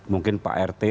mungkin pak rt